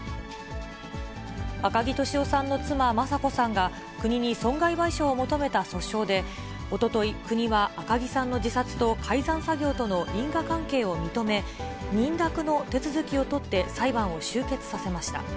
赤木俊夫さんの妻、雅子さんが、国に損害賠償を求めた訴訟で、おととい、国は、赤木さんの自殺と改ざん作業との因果関係を認め、認諾の手続きを取って、裁判を終結させました。